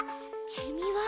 きみは？